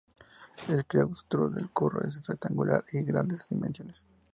El claustro del curro es rectangular y de grandes dimensiones.